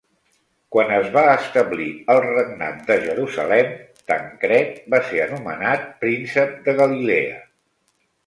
Quan es va establir el Regnat de Jerusalem, Tancred va ser anomenat Príncep de Galilea.